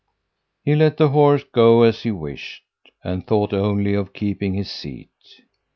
"He let the horse go as he wished and thought only of keeping his seat.